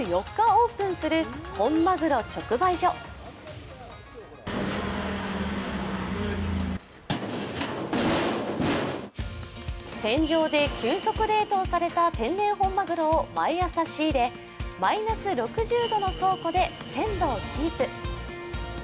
オープンする本まぐろ直売所船上で急速冷凍された天然本まぐろを毎朝仕入れ、マイナス６０度の倉庫で鮮度をキープ。